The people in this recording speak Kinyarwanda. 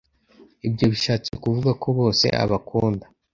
Ibyo bishatse kuvuga ko bose abakunda